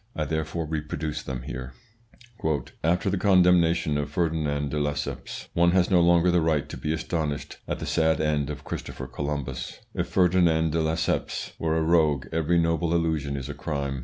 I therefore reproduce them here: "After the condemnation of Ferdinand de Lesseps one has no longer the right to be astonished at the sad end of Christopher Columbus. If Ferdinand de Lesseps were a rogue every noble illusion is a crime.